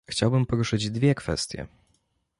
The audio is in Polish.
Chciałbym poruszyć dwie kwestie